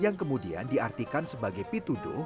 yang kemudian diartikan sebagai pituduh dan pitulunggul